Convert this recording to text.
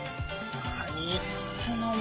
いつの間に。